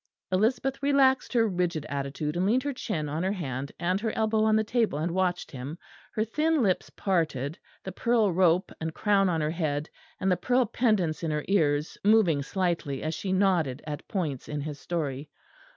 Elizabeth relaxed her rigid attitude, and leaned her chin on her hand and her elbow on the table and watched him, her thin lips parted, the pearl rope and crown on her head, and the pearl pendants in her ears moving slightly as she nodded at points in his story.